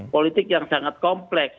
politik yang sangat kompleks